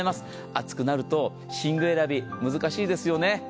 暑くなると寝具選び難しいですよね。